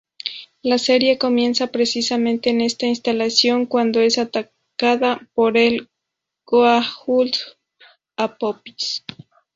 La serie comienza precisamente en esta instalación, cuando es atacada por el Goa'uld Apophis.